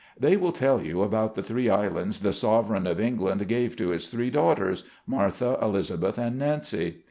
They will tell you about the three islands the sovereign of England gave to his three daughters, Martha, Elizabeth and Nancy.